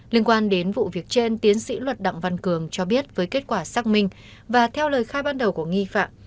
liên quan đến vụ việc trên tiến sĩ luật đặng văn cường cho biết với kết quả xác minh và theo lời khai ban đầu của nghi phạm